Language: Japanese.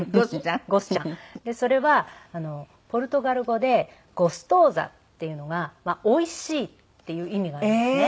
それはポルトガル語で「ゴストーザ」っていうのがおいしいっていう意味があるんですね。